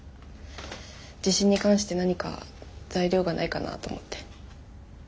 地震に関して何か材料がないかなと思って。